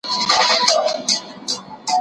مونږ به نوي سیستمونه جوړ کړو.